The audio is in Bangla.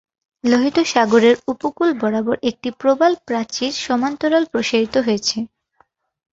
লোহিত সাগরের উপকূল বরাবর একটি প্রবাল প্রাচীর সমান্তরাল প্রসারিত হয়েছে।